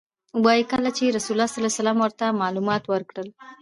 وایي کله چې رسول الله صلی الله علیه وسلم ورته معلومات ورکړل.